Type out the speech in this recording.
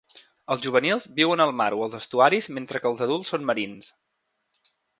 Els juvenils viuen al mar o els estuaris mentre que els adults són marins.